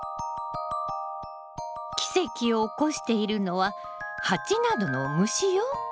奇跡を起こしているのは蜂などの虫よ。